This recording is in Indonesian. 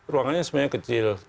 ruangannya sebenarnya kecil